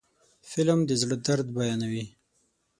فلم د زړه درد بیانوي